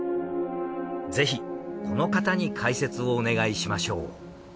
ぜひこの方に解説をお願いしましょう。